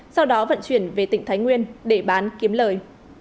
sau đó vận chuyển về tỉnh thái nguyên để bán kiếm lời